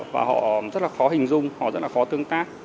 và họ rất là khó hình dung họ rất là khó tương tác